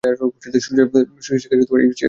সৃষ্টিকার্যে এই বৈচিত্র্যের প্রয়োজন আছে।